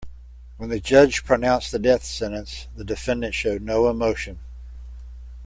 When the judge pronounced the death sentence, the defendant showed no emotion.